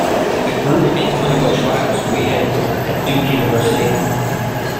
The group and clinical trials will be headquartered at Duke University.